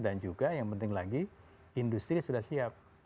juga yang penting lagi industri sudah siap